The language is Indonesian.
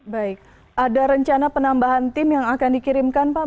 baik ada rencana penambahan tim yang akan dikirimkan pak